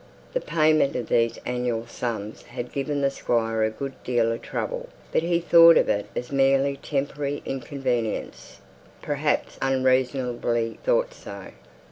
The payment of these annual sums had given the Squire a good deal of trouble; but he thought of it as a merely temporary inconvenience; perhaps unreasonably thought so.